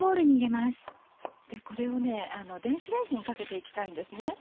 これを電子レンジにかけて行きたいんですね。